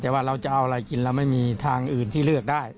แต่ว่าเราจะเอาอะไรกินเราไม่มีทางอื่นที่เลือกได้